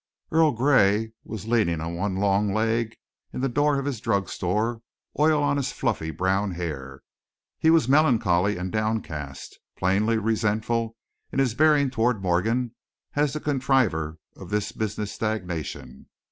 Earl Gray was leaning on one long leg in the door of his drug store, oil on his fluffy brown hair. He was melancholy and downcast, plainly resentful in his bearing toward Morgan as the contriver of this business stagnation.